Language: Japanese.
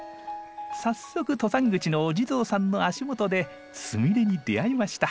早速登山口のお地蔵さんの足元でスミレに出会いました。